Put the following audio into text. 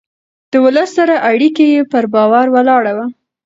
د ولس سره اړيکه يې پر باور ولاړه وه.